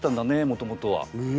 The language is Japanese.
もともとは。え。